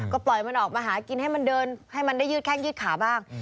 ก็ปล่อยมันออกมาหากินให้มันเดินให้มันได้ยืดแข้งยืดขาบ้าง